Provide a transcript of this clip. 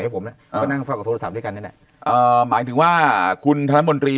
ผมก็นั่งกับโทรศัพท์ด้วยกันแน่หมายถึงว่าคุณทางบนตรี